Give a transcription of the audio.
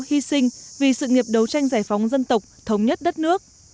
hy sinh vì sự nghiệp đấu tranh giải phóng dân tộc thống nhất đất nước